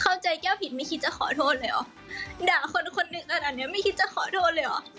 แก้วผิดไม่คิดจะขอโทษเลยเหรอด่าคนคนหนึ่งขนาดเนี้ยไม่คิดจะขอโทษเลยเหรอ